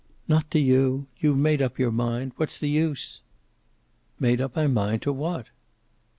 "Not to you. You've made up your mind. What's the use?" "Made up my mind to what?"